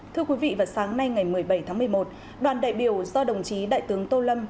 thưa quý vị vào sáng nay ngày một mươi bảy tháng một mươi một đoàn đại biểu do đồng chí đại tướng tô lâm